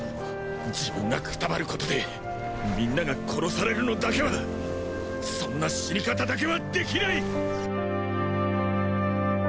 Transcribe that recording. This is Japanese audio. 自分がくたばることでみんなが殺されるのだけはそんな死に方だけはできない！